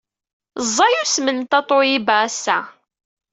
Ẓẓay usmel n Tatoeba ass-a.